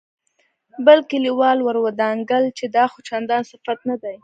بل کليوال ور ودانګل چې دا خو چندان صفت نه دی.